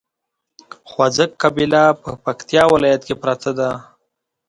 خواځک قبيله په پکتیا ولايت کې پراته دي